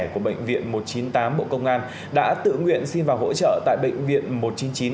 của bệnh viện một trăm chín mươi tám bộ công an đã tự nguyện xin vào hỗ trợ tại bệnh viện một trăm chín mươi chín